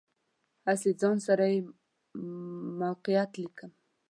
هسې ځان سره یې موقعیت لیکم.